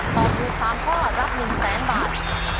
ตอบถูก๓ข้อรับ๑๐๐๐๐๐๐บาท